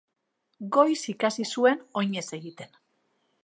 Goiz ikasi zuen oinez egiten.